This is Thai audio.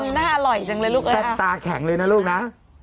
ยายเกลียดต่อที่สุดแซ่บตาแข็งเลยนะลูกนะ